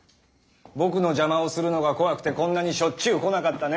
僕の邪魔をするのが怖くてこんなにしょっちゅう来なかったね。